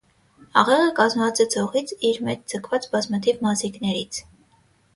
Աղեղը կազմված է ձողից իր մեջ ձգված բազմաթիվ մազիկներից։